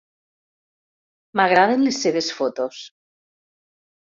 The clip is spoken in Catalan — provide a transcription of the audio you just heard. M'agraden les seves fotos.